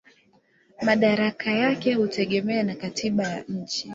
Madaraka yake hutegemea na katiba ya nchi.